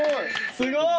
すごい。